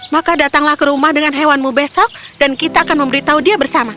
maka datanglah ke rumah dengan hewanmu besok dan kita akan memberitahu dia bersama